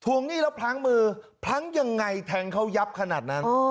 ทวงนี่แล้วพังมือพังยังไงแทงเค้ายับขนาดนั้น